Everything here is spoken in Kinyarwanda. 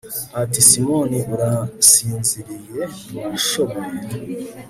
ati simoni urasinziriye ntiwashoboye